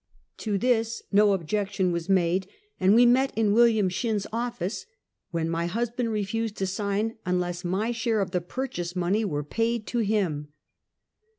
To this no objection was made, and we met in William Shinn's office, when my husband refused to sign unless my share of the purchase money were paid to him.